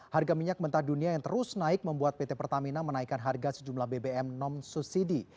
harga minyak mentah dunia yang terus naik membuat pt pertamina menaikkan harga sejumlah bbm non subsidi